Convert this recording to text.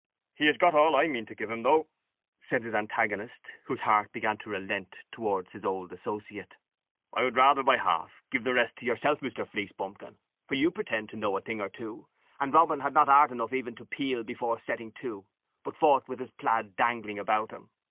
"He has got all I mean to give him, though," said his antagonist, whose heart began to relent towards his old associate; "and I would rather by half give the rest to yourself, Mr. Pleecebumpkin, for you pretend to know a thing or two, and Robin had not art enough even to peel before setting to, but fought with his plaid dangling about him.